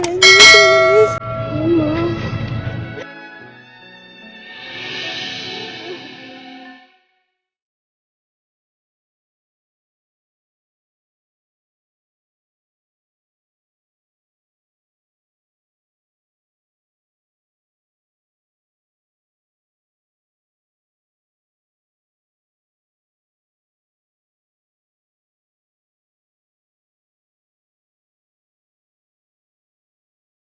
nanti kita berjalan